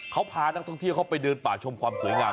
เขาพานักท่องเที่ยวเข้าไปเดินป่าชมความสวยงาม